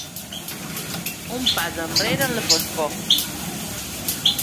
Un pas enrere en la foscor.